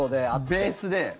ベースで。